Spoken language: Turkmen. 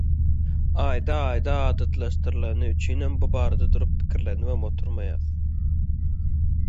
Aýda-aýda adatylaşdyrylany üçinem bu barada durup pikirlenibem oturmaýas.